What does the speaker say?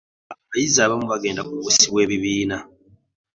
Abayizi abamu bagenda kubuusibwa ebibiina.